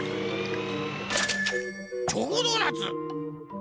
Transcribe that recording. チョコドーナツ。